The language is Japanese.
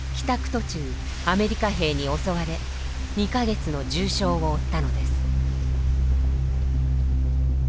途中アメリカ兵に襲われ２か月の重傷を負ったのです。